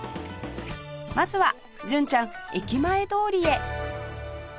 まずは純ちゃん駅前通りへ